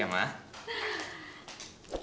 ya udah yuk